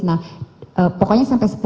nah pokoknya sampai sepuluh